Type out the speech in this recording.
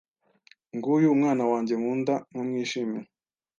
Nguyu Umwana wanjye nkunda nkamwishimira»